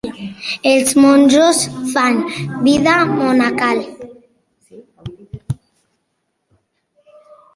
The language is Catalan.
Els monjos fan vida monacal.